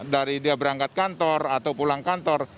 dari dia berangkat kantor atau pulang kantor